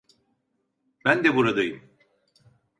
Ben de buradayım.